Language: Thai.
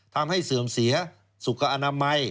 เสื่อมเสียสุขอนามัย